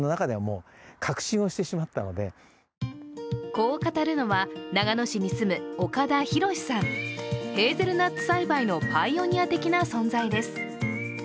こう語るのは長野市に住む岡田浩史さん、ヘーゼルナッツ栽培のパイオニア的な存在です